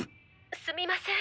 すみません。